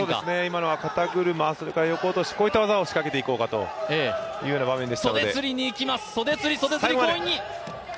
今のは肩車、横落としを仕掛けていこうという場面でしたね。